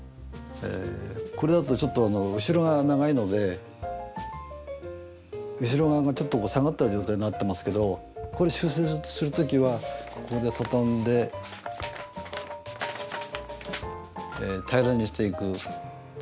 これだとちょっと後ろが長いので後ろ側がちょっと下がった状態になってますけどこれ修正する時はここで畳んで平らにしていくっていう。